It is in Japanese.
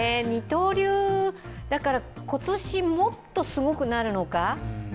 二刀流だから、今年もっとすごくなるのか？